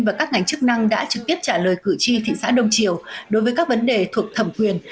và các ngành chức năng đã trực tiếp trả lời cử tri thị xã đông triều đối với các vấn đề thuộc thẩm quyền